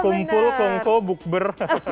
kumpul kongko bukber